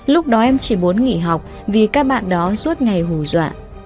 lúc đó em chỉ muốn nghỉ học vì các bạn đó suốt ngày hù dọa